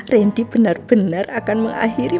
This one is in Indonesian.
randy benar benar akan mengakhiri